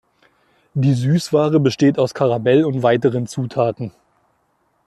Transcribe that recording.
Die Süßware besteht aus Karamell und weiteren Zutaten.